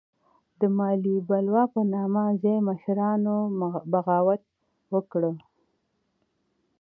د مالیې بلوا په نامه ځايي مشرانو بغاوت وکړ.